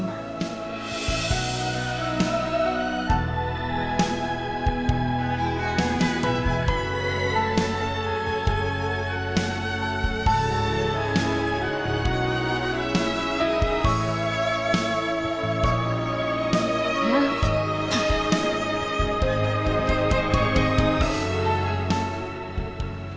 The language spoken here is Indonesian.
saya mau pergi